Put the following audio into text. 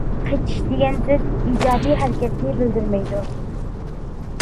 قىچىش دېگەن سۆز ئىجابىي ھەرىكەتنى بىلدۈرمەيدۇ.